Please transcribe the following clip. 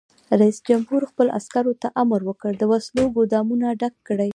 رئیس جمهور خپلو عسکرو ته امر وکړ؛ د وسلو ګودامونه ډک کړئ!